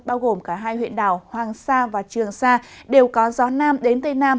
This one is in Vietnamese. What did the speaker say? bao gồm cả hai huyện đảo hoàng sa và trường sa đều có gió nam đến tây nam